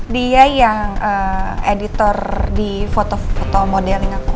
dia yang editor di foto foto modeling aku